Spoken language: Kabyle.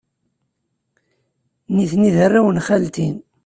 Nitni d arraw n xalti.